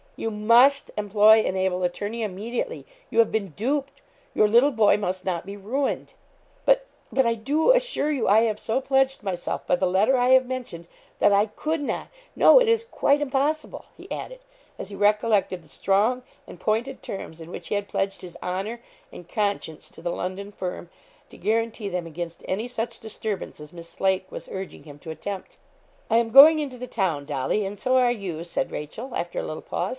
'You must employ an able attorney immediately. You have been duped. Your little boy must not be ruined.' 'But but I do assure you, I have so pledged myself by the letter I have mentioned, that I could not no, it is quite impossible,' he added, as he recollected the strong and pointed terms in which he had pledged his honour and conscience to the London firm, to guarantee them against any such disturbance as Miss Lake was urging him to attempt. 'I am going into the town, Dolly, and so are you,' said Rachel, after a little pause.